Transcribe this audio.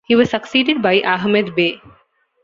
He was succeeded by Ahmed Bey.